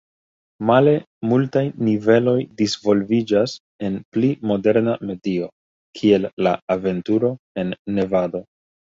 Male multaj niveloj disvolviĝas en pli moderna medio, kiel la aventuro en Nevado.